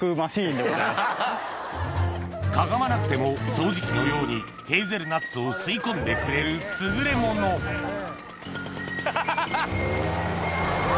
かがまなくても掃除機のようにヘーゼルナッツを吸い込んでくれる優れものうわ